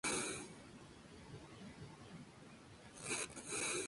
Durante todo el programa su mentora fue Sharon Osbourne.